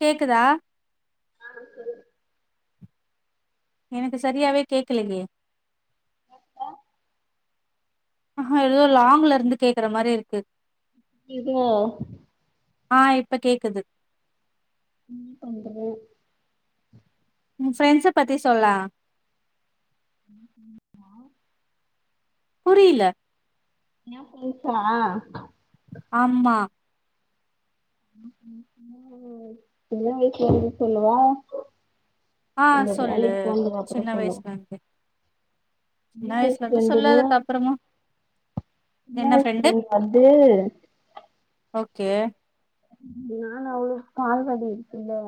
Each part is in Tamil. கேக்குதா அ சொல்லு எனக்கு சரியாவே கேக்கலையே ஆ ஆஹா எதோ லாங்ல இருந்து கேக்குற மாரி இருக்கு இதுவா அ இப்ப கேக்குது என்ன பண்றது உ ஃப்ரெண்ட்ஸ பத்தி சொல்லே [unintelligible] புரியில எ [unintelligible] ஆம்மா இல்ல வீட்ல வந்து சொல்லவா ஆ இல்ல சொல்லு வேலைக் போன்துக்கப்புறோ சின்ன சொல்லு வயசுல இருந்து சின்ன வய்ஸ் வயசுல இருந்து சொல்லு ஃப்ரெண்டுன்ன அதுக்கப்புறமா சின்ன வய்ஸ் ஃப்ரெண்டு அது ஓகே நானு அவுளு பால்வாடி இருக்குல்ல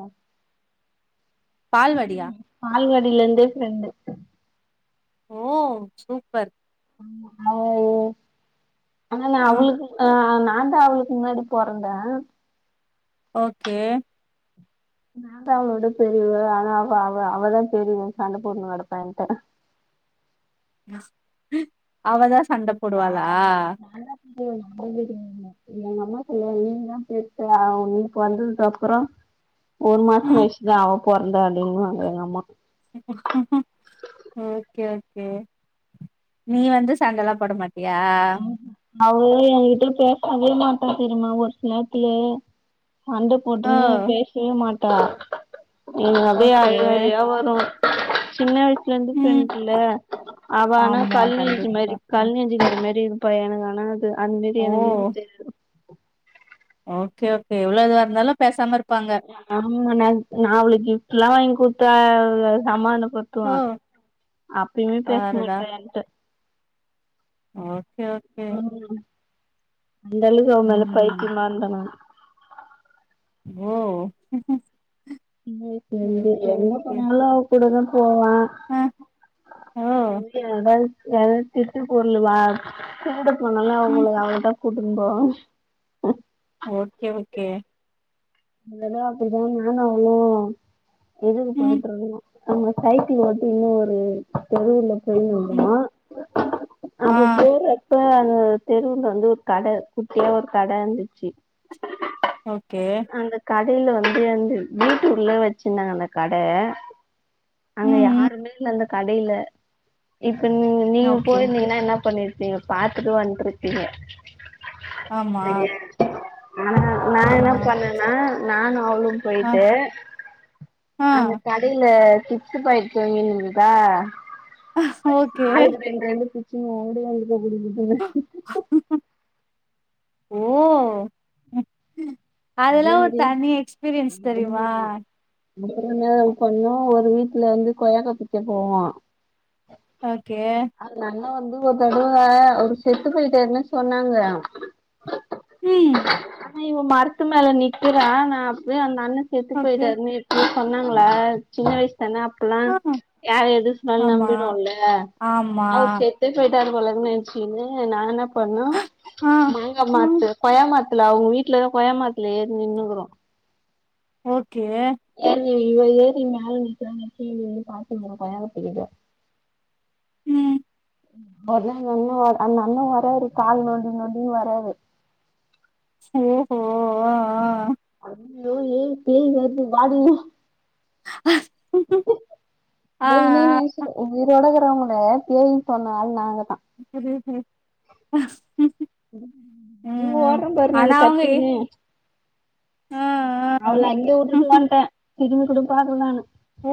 பால்வாடியா பால்வடிலந்தே ஃப்ரெண்டு ஓ சூப்பர் ஆமா அவோ ஒ ஆனா நா ம் அவுளுக்கு ஆ ஆனா நாந்தா அவுளுக்கு முன்னாடி பொறந்த ஓகே நாந்தா அவளோட பெரியவ ஆனா அவ அவ அவதா பெரியவன் சண்ட போட்டுனு கெடப்பா என்ட்ட [inaudible] அவதா சண்ட போடுவாளா ஆமா [unintelligible] எங்க அம்மா சொல்லுவாங் நீ தா பெர்சு அவ நீ பொற்ந்ததுக் அப்புறோ [inaudible] ஒரு மாசோ ம் கழிச்சுதா அவ பொற்ந்தா அப்டின் வாங்க எங்க அம்மா ஆ ஓகே ஓகே நீ வந்து சண்டல்லா போட மாட் அவ எ கிட்ட பேசாவே மாட்டா தெரியுமா ஒரு சில் நேர்த்துல சண்ட ஓ போட்டுன்னு பேசவே மாட்டா எனுக் அப்டியே ஓகே அழு அழுக்யா வரு சின்ன வயசுலருந்து ம் ஃப்ரெண்டுல்ல அவ ஆனா ஆமா கல்நெஞ்சு கண்டிப்பா மாரி கல் நெஞ்சு அது மாரி இருப்பா எனக்கு ஆனா அது அந்மாரி ஓ எனக்கு இருக்க தெரியாது ஓகே ஓகே எவ்ளோதா இருந்தாலு பேசாம இரு ஆமா ந நா அவுளுக் கிஃப்ட்ல்லா வாய்ங் குட்த்த அ சமாதன பட்த்துவ ஓ அப்பயுமே பேஸ் பாருடா மாட்ட என்ட்ட ஓகே ஓகே அந்தளவுகு அவ மேல ம் பைத்திமா இந்த நானு ஓ சின்ன வயசுலருந்தே ஓகே என்ன ஓகே பண்ணாலு அவ் கூடதா போவ ஆ [unintelligible] ஓ ஏதாது திருட்டு பொருள் வா திருடு போனாலும் ம் அவுங்ள அவுங்ட குடும்பொ ம் ஓகே ஓகே ஒருதடவ அப்டிதா நானு அவளு இதுக் ம் போயிட்ருந்தோ ஆமா சைக்கிள் ஓட்டி இன்னும் ஒரு தெருவுல ம் செய்யனுமா ஆ அப்ப போரு இப்ப அந்த தெருவுல வந்து ஒரு கட குட்டியா ஒரு கட இருந்துச்சு ஓகே அந்த கடையில வந்து அந்த வீட்டுக்குள்ள வச்சிருந்தாங்க அந்த கட அங்க ம் ம் யாருமே இல்ல அந்த கடையில இப்ப நீ நீங்க ஓகே போயிருந்தீங்கன்னா என்ன பண்ணிரு பீங்க பாத்துட்டு வந்துருக்கீங்க ஆமா ஆமா பனா நானும் அவளும் ஆ போய்ட்டு ஆ அந்த கடையில சிப்ஸ் பாக்கெட் வாங்கி இருந்ததா ஓகே ஆளுக்கு ரெண்டு ரெண்டு சிப் ச்சு [unintelligible] ம் ம் ம் அதெல்லா அதே ஒரு மாரி தனி எக்ஸ்பீரியன்ஸ் தெரியுமா அதுக் அற மண் நேரம் பண்ணொ ஒரு வீட்டுல வந்து கொய்யாக்கா பறிக்க போவான் ஓகே நா வந்து ஒரு தடவ ஒரு செத்து போயிட்டாருன்னு சொன்னாங்க ம் என்ன இவன் மரத்து மேல நிக்கறான் நா அப்பயே அந்த அண்ணன் செத்து ஓகே போயிட்டாருன்னு எப் சொன்னாங்களா சின்ன சல அப்பல்லா ஆ யாரு எது சொன்னா ஆமா நம்பிர்வோம்ல ஆமா அவர் செத்தேப் பெய் ட்டாரு போல நனச்சுங்னு நா என்ன பண்ணோ ஆ மாங்கா ம் மரத்து கொய்யா மர துல்ல அவுங்க வீட்டுல கொயா மரத்துல ஏறி நின்னுக்றோ ஓகே இவ ஏ ஏறி மேல நிக்கலானின்டு பாத்துங்கோ [unintelligible] கயாத [unintelligible] ம் ஒரு நாள் அண்ணு அந்த அண்ண வராரு கால் நொண்டி நொண்டினு வராரு ஓஹோ அ ஆ அய்யோ ஏய் பேய் வருது வாடி [unintelligible] ஆ ஆ ஆ உயிரோடக்கிறவங்கள பேயு சொன்னால் நாங்க தா அப்டியா ஆ ஓடுறோ பாரு ஆனா நாங் அவங்க எ கத்தினு ஆ ஆ அவள அங்கயே விட்டுட் வந்துட்டே திரும்பி கூட பாக்கல நானு ஓ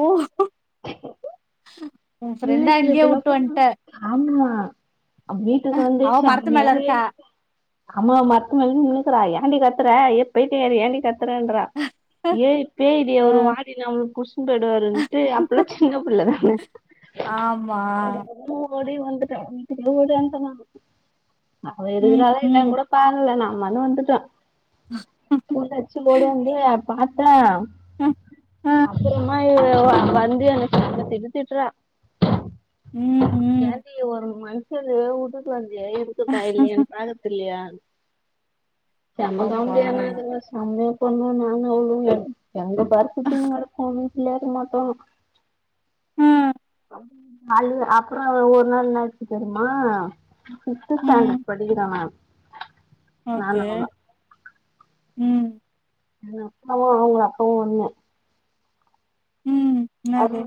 ஒன் சின்ன ஃப்ரெண்டா வயசுல அங்கயே இப்டில்லா வுட்டு வன்ட அவுங் வீட்டுக்கு வந்து மரத்து மேல சாமியாவே இருக்கா ஆமா மரத்துமேல நின்னுக்குறா ஏண்டி கத்துற ஏ பயித்தியகாரி ஏண்டி கத்துறங்கறா ஏய் பேய்டி அவரு ஆ வாடி நமள புடிச்சுனு போயிடுவாருனு அப்பல்லா சின்ன பிள்ளதான ஆமா ஓடி வந்துட்ட வீட்டுக்கு ஓடி வந்துட்டே நானு அவ ம் இருக்கறாளா இல்லையானு ம் கூட பாக்கல நா மள வந்துட்டான் உந்து அடிச்சு ஓடியாந்தே பாத்தே ஆ அப்புறமா இவ வ வந்து என்ன தித்து தித்திட்டுற ம் ம் ஏன்டி ஒரு மனுஷனு வுட்டுட்டு வந்து டியே இருக்குதா இல்லயானு பாக்க தெரியலாயுனு செம ஆமா காமடியாருந்ததுங்க சாம்மு பொண்ணோ நானும் அவ்ளு எங்க [unintelligible] நடக்கும்னு விளையாட மாட்டோங்க ம் நல் அப்புறொ ஒ ஒரு நாள் என்னாச் தெரியுமா ஃபிஃப்த் ம் ஸ்டாண்டர்ட் படிக்கிறாங்க. ஓகே ம் அ ஓ ஒங்க [unintelligible] ம் [inaudible] என்னது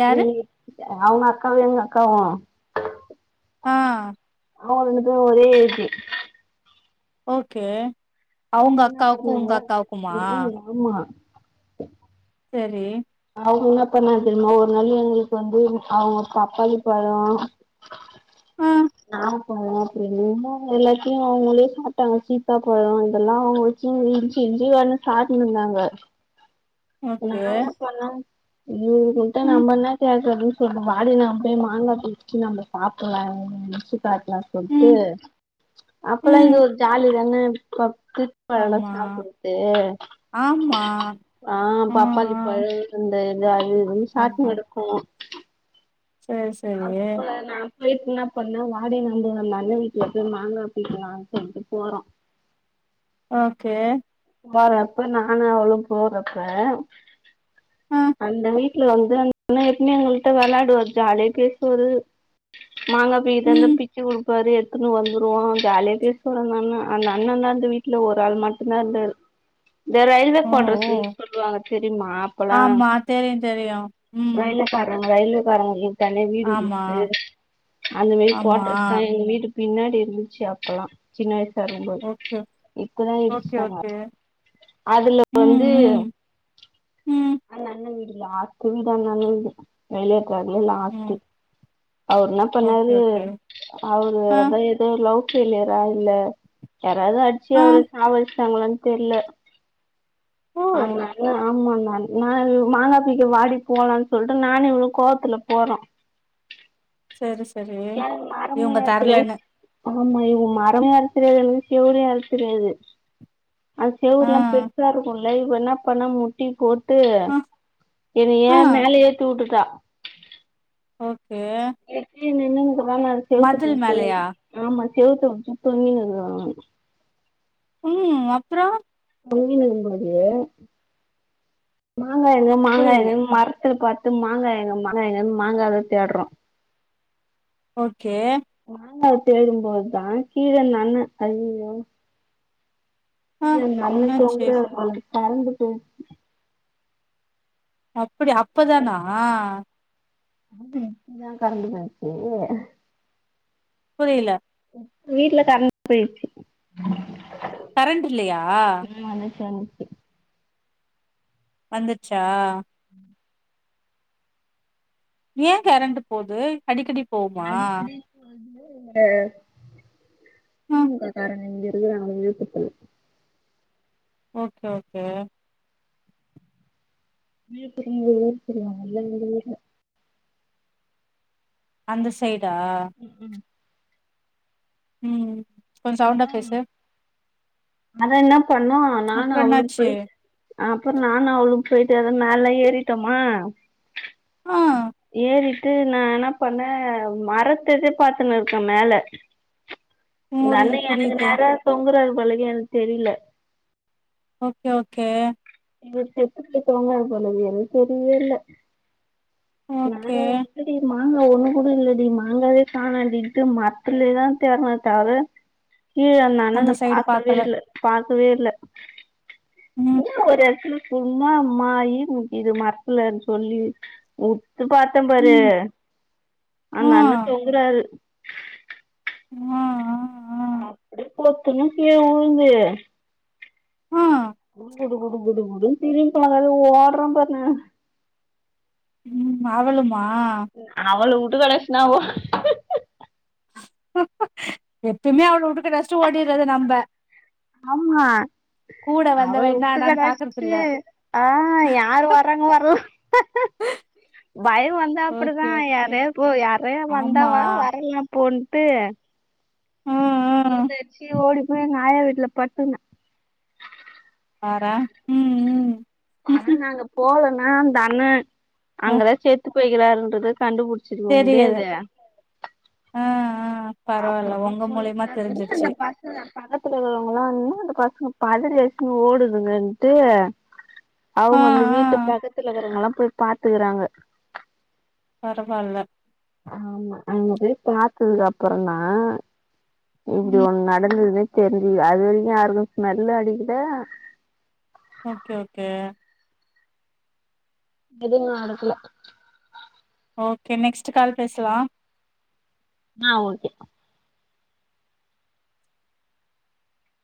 யாரு அவங்க அக்காவு எங்க அக்கா ஆ அவங்க ரெண்டுக்கு ஒரே ஏஜ் ஓகே அவங்க என்ன அக்காவுக்கு ஒங்க பண்ணாங்க அக்காவுக்குமா ம் ஆமா சரி அவுங்க என்ன பண்ணாங் தெரியுமா ஒரு நாள் எங்களுக்கு வந்து அவங்க பப்பாளி பழோ அ நாவ பழோ அப்படின்னுனா எல்லாத்தையு அவங்களே சாப்ட்டாங்க சீத்தா பழோ இதெல்லா அவங்க சி இஞ்ச் இஞ்சி வேணு [unintelligible] இருந்தாங்க நா ஓகே என்ன சொன்னோ இவங்ககிட்ட ம் நம்ம என்ன கேக்குறதுன் சொல்லி வாடி நா போய் மாங்கா பிரிச்சுனு வந்து சாப்ட்றலா நெனச்சு சாக்லாம் சொல்ட்டு ம் அப்பல்லா ம் இது ஒரு ஜாலிதானே [unintelligible] திருட் பழொ ஆமா சாப்புடுது ஆமா ஆ பாப்பாளி பழ இந்தந்த அது இதுனு சாப்ட்டுனு [unintelligible] செர் செரி போய்ட்டு என்னா பண்ணோ வாடி நம்ப அந்த அண்ண வீட்ல போய் மாங்கா பிக்கலான் சொல்ட்டு போறோ ஓகே வரப்ப நானு அவளும் போறப்ப ஆ அந்த வீட் ட்ல வந்தோ [inaudible] எப்பவுமே எங்கள்ட்ட வெளாடுவாரு ஜாலியா பேசுவாரு மாங்கா [unintelligible] வந்து ம் பிச்ச குடு சரி எடுத்துனு வந்துருவோ ஜாலியா பேசறோன்னோன அந்த அண்ணந்தா அந்த வீட்ல ஒரு ஆள் மட்டுந்தா இருந்தாரு இந்த ரயில்வே ஓ குவாட்டர்ஸ்ஸி ஓ சொல்லுவாங்க தெரியுமா அப்பல்லா ஆமா தெரியு தெரியு ம் ரயில்ல பாறாங்க ரயில் காரங்களுக்கு தனியா வீடு ஆமா குடுத்து அந்த மாரி ஆமா குவாட்ரஸ்தா எங்க வீட்டு பின்னாடி இருந்துச்சு அப்பல்லா சின்ன வயசா இருக்கம்போது ஓகே இப்பதா ஓகே இடிச்சுட்டாங்க. ஓகே அதுல ம் வந்து ம் ம் ந்த வீடில்ல ஆஸ்ட் வீடு அந்த அண்ண வீடு ரயில்வே குவாட்ல லாஸ்டு ம் அவரு என்னா ஓகே பண்ணாரு ஓகே அவரு ஆ அதா எதோ ஒரு லவ் ஃபெயிலியர் இல்ல யாராவது அடிச்சு ஆ அவர சாவடுச்சுட்டாங்களான் தெர்ல. ஆஹ ஆமா ம் ஆமாமா நா மாங்கா தூக்கி வாடி போலான் சொல்ட்டு நானு இவளு கோவத்துல போ [unintelligible] சரி செரி மரமே இவ்ங்க ஏற தெரியாது தரலன்னு ஆமா இவரு மரமு ஏற தெரியாது செவரு ஏற தெரியாது. அது ஆ செவுருலா பெருசா இருக்கும்ல இவ என்னாப் பண்ண முட்டி போட் டு ஆ என்னைய ஆ மேல ஏத்தி வுட்டுட்டா ஏ [unintelligible] ஆமா செவுத்த [unintelligible] ம் அப்றோ [unintelligible] மாங்கா எங்க மாங்கா புரியல எங்கனு மர த்துல பாத்து மாங்கா எங்க மாங்கா எங்கன்னு மாங்காவ தேடுறோ ஓகே மாங்கா தேடும் போதுதா கீழே அந்த அண்ண ஐயயோ ஆ யோ அந்த அண்ண என்னாச்சு தொங்குறத பாரு பயந்துட்டோ அப்புடி அப்பதானா [unintelligible] கரண்டு போச்சி புரியில வீட்ல கரண்ட் போயிர்ச்சி கரண்ட் இல்லையா வந்துச்சு வந்துட்ச்சா ஏ கெரண்ட்டு போது அடிக்கடி போவுமா அடிக்கடி போது ம் திமுக காரங்க இங்கெ [inaudible] ஓகே ஓகே விழுப்புர எங்க ஊரு தெரியிமா [inaudible] எங்க ஊர்ல அந்த செய்டா ஊர்ல ம் கொஞ்ச சௌண்டா அதா பேசு அத என்ன பண்ணுவோ நானு அப்றோ அவளு என்னாச்சு போய் அ அப்பறொ நானு அவளு போய்ட்டு அத மேலல்லா ஏறிட்டோமா ஆ ஏறிட்டு நா என்ன பண்ண மரத்துது பாத்துன்னு இருக்க மேல அந்த அண்ண புரியுது எனக்கு புரியுது நேரா தொங்குறாரு போலர்க்கு எனக்கு தெரியில ஓகே ஓகே இவர் செத்து [unintelligible] போலருக்கு எதுவு தெரிவே இல்ல ஓகே நாலு இருக்குடி ம மாங்கா ஒண்ணு கூட இல்லடி மாங்காவே காணோண்டின்ட்டு மரத்லேதா தேட்ணோ தவ்ர கீழ அந்த அண்ணண சைடு பாக்கவே பாக்கல இல்ல பாக்கவே இல்ல ம் ஒரு எடத்துல சும்மா மாயி நிக்கிது மரத்துலன் சொல்லி உத்து பாத்தம் பாரு ம் ஆ அந்த அண்ண தொங்குறாரு ஆ ஆ அப்டியே பொத்துனு கீழ உழுந்து ஆ குடு குடு குடு குடு குடுன் திரும்பி பாக்காத ஓட்றம் பாரு நா ம் அவளும் அவள உட்டு கடாஷ்ட்டு நா ஓ எப்பய்மே அவள உட்டு கடாஷ்ட்டு ஓடிர்றது நம்ப ஆம்மா கூட வந்தவ அவள உட்டு என்னாடான்னு கடாஷ்ட்டு பாக்குறதில்ல ஆ யாரு வர்றாங்க வர் பயொ வந்தா ஓகே அப்புடிதா ஓகே யாரைய போ யாரையோ வந்தா ஆமா வா வரலனா போன் ட்டு ம் ம் உழுந்து அட்ச்சி ஓடி போய் எங்க ஆயா வீட்ல படுத்துக்ன பாரே ம் ஆனா ம் நாங்க போல னா அந்த அண்ண அ அங்கதா செத்து போய்க்கிறாருன்றது கண்டுப்புடிச்சிருக்கவு தெரியுது முடியாது ஆ ஆ பரவால்ல அப்பறமா உங்க மூலியமா போலீஸ்கார என்ன தெரிஞ்சிருச்சு இந்த பசங்க பக்கத்துல இருக்றவங்கல்லா என்ன இந்த பச ங்க பதரி அடிச்சிட்டு ஓடுதுங்கன்ட்டு ஆ அவுங்க அந்த ஆ வீட்டு பக்கத்துலருக்குறவங்கல்லா போய் பாத்துருக்காங்க பரவால்ல ஆமா அங்க போய் பாத்ததுக்கப்பறந்தா இப்டி ம் ஒண்ணு நடந்துதுன்னே தெரிஞ்சிது அது வரைக்கு யாருக்கு ஸ்மெல்லு அடிக்கில ஓகே ஓகே எதுவு அடிக்கில ஓகே நெக்ஸ்ட் கால் பேசலா ஆ ஓகே